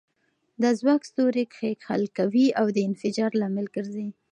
دا ځواک ستوري کښیکښل کوي او د انفجار لامل ګرځي.